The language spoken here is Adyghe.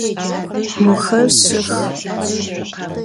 Moxer şşıx.